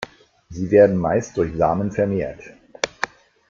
Sie werden meist durch Samen vermehrt.